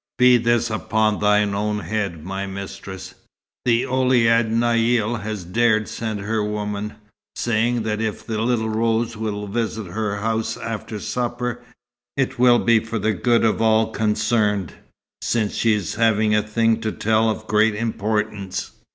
Be this upon thine own head, my mistress. The Ouled Naïl has dared send her woman, saying that if the Little Rose will visit her house after supper, it will be for the good of all concerned, since she has a thing to tell of great importance.